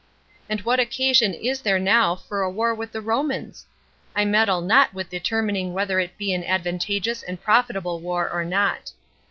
And what occasion is there now for a war with the Romans? [I meddle not with determining whether it be an advantageous and profitable war or not.